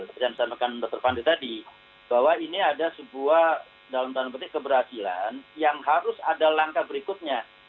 saya sampaikan dr pandit tadi bahwa ini ada sebuah dalam tanda petik keberhasilan yang harus ada langkah berikutnya